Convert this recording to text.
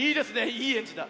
いいエンジンだ。